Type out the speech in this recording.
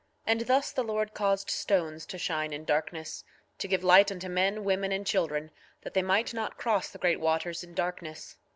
6:3 And thus the Lord caused stones to shine in darkness, to give light unto men, women, and children, that they might not cross the great waters in darkness.